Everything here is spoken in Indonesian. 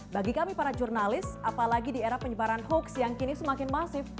bagi kami para jurnalis apalagi di era penyebaran hoax yang kini semakin masif